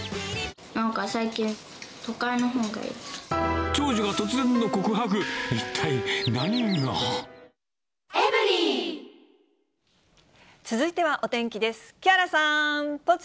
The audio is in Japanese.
なんか最近、都会のほうがい長女が突然の告白。続いてはお天気です。